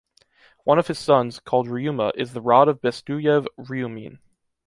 One of his sons, called Riouma is the rod of Bestoujev-Rioumine.